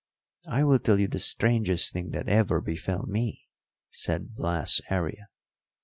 "I will tell you the strangest thing that ever befell me," said Blas Aria.